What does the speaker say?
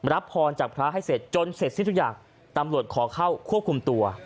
รับพรจากพระให้เสร็จจนเสร็จสิ้นทุกอย่างตำรวจขอเข้าควบคุมตัว